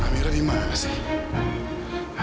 amir ada dimana sih